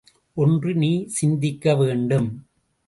ஒன்று நீ சிந்திக்க வேண்டும்.